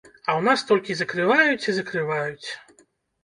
А ў нас толькі закрываюць і закрываюць.